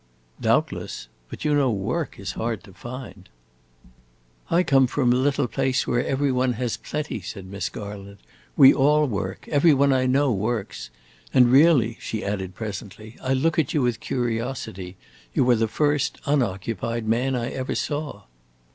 "Doubtless; but you know work is hard to find." "I come from a little place where every one has plenty," said Miss Garland. "We all work; every one I know works. And really," she added presently, "I look at you with curiosity; you are the first unoccupied man I ever saw."